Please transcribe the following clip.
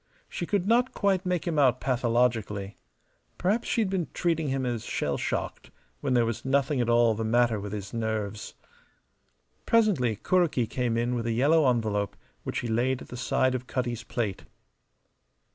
She could not quite make him out pathologically. Perhaps she had been treating him as shell shocked when there was nothing at all the matter with his nerves. Presently Kuroki came in with a yellow envelope, which he laid at the side of Cutty's plate.